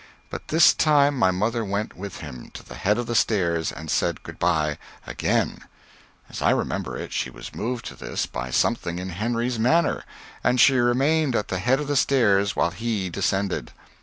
But this time my mother went with him to the head of the stairs and said good by again. As I remember it she was moved to this by something in Henry's manner, and she remained at the head of the stairs while he descended.